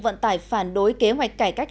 vận tải phản đối kế hoạch cải cách